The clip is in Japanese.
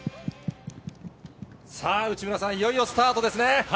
さあ、内村さん、いよいよスタートですね。